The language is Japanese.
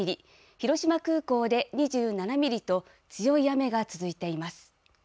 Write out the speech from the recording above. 広島空港で２７ミリと、強い雨が続いています。